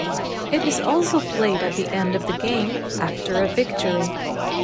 It is also played at the end of the game, after a victory.